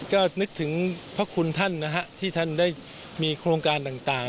ก็นึกถึงพระคุณท่านนะฮะที่ท่านได้มีโครงการต่าง